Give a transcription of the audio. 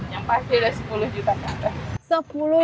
yang pasti udah sepuluh juta